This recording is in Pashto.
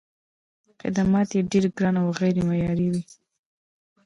خدمات یې ډېر ګران او غیر معیاري وي.